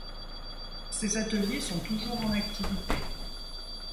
Ces ateliers sont toujours en activité.